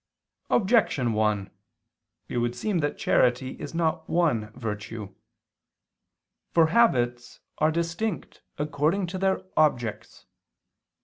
Objection 1: It would seem that charity is not one virtue. For habits are distinct according to their objects.